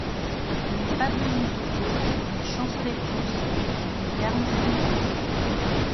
Je n'ai pas bu une goutte d'eau ; ils chancelaient tous, j'étais ferme sur mes pieds.